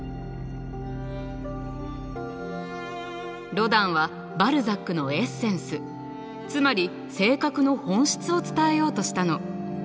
ロダンはバルザックのエッセンスつまり性格の本質を伝えようとしたの。